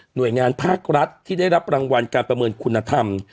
โดยงานภาครัฐที่ได้รับรางวัลการประเมินคุณธรรม